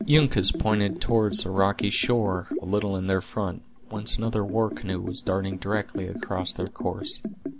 Uncas pointed toward a rocky shore a little in their front, whence another war canoe was darting directly across their course.